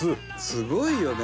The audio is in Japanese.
「すごいよね」